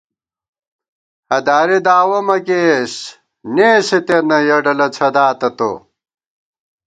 ہَداری دعوَہ مہ کېئیس، نېس اِتے نہ یَہ ڈلہ څھداتہ تو